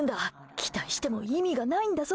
期待しても意味がないんだぞ。